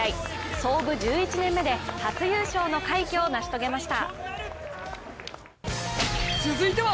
創部１１年目で初優勝の快挙をなし遂げました。